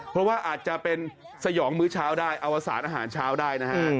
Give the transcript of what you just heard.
เพราะว่าอาจจะเป็นสยองมื้อเช้าได้อวสารอาหารเช้าได้นะฮะ